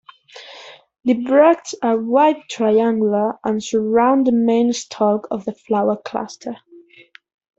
The bracts are wide triangular and surround the main stalk of the flower cluster.